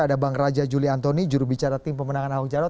ada bang raja juli antoni jurubicara tim pemenangan ahok jarot